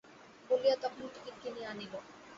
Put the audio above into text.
বলিয়া তখনি টিকিট কিনিয়া আনিল।